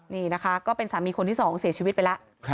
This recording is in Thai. นี่นะคะก็เป็นสามีคนที่๒เสียชีวิตไปแล้ว